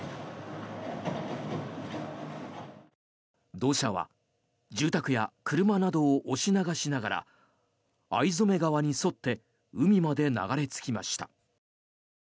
土砂は住宅や車などを押し流しながら逢初川に沿って海まで流れ着きました。